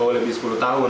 oh lebih sepuluh tahun